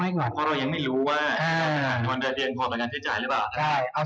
เพราะเรายังไม่รู้ว่าวันเดือนพอประกันใช้จ่ายหรือเปล่า